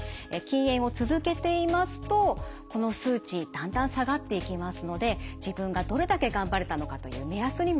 禁煙を続けていますとこの数値だんだん下がっていきますので自分がどれだけ頑張れたのかという目安にもつながります。